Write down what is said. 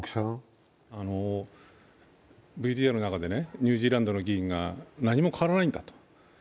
ＶＴＲの中で、ニュージーランドの議員が、何も変わらないんだと。